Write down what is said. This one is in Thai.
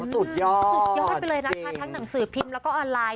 สุดยอดสุดยอดไปเลยนะคะทั้งหนังสือพิมพ์แล้วก็ออนไลน์